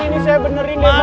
ini saya benerin deh bang